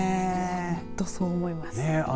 本当そう思います。